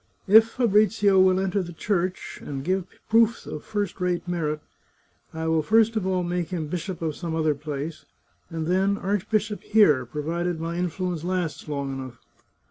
If Fabrizio will enter the Church, and 123 The Chartreuse of Parma give proofs of first rate merit, I will first of all make him bishop of some other place, and then archbishop here, pro vided my influence lasts long enough.